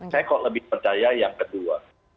saya kok lebih percaya yang kedua